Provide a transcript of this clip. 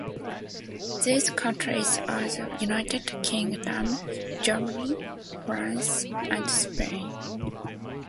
These countries are the United Kingdom, Germany, France and Spain.